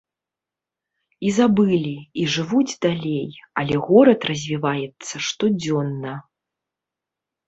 І забылі, і жывуць далей, але горад развіваецца штодзённа.